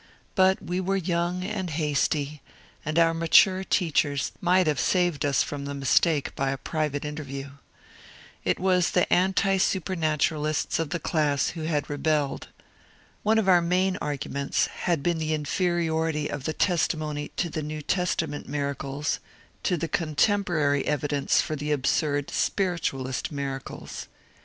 But we were young and hasty, and our mature teachers might have saved us from the mistake by a private interview. It was the anti super naturalists of the class who had rebelled. One of our main arguments had been the inferiority of the testimony to the New Testament miracles to the contemporary evidence for the absurd spiritualist miracles.